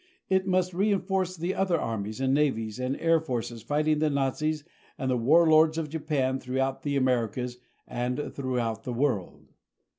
It must reinforce the other armies and navies and air forces fighting the Nazis and the war lords of Japan throughout the Americas and throughout the world.